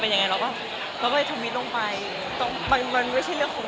ไม่ได้ตัดเผ้าว่าตัวเองมีเพื่อนน้อง